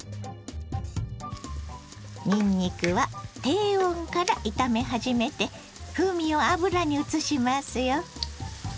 にんにくは低温から炒め始めて風味を油にうつしますよ。